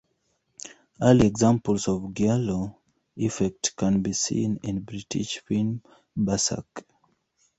Early examples of the giallo effect can be seen in the British film Berserk!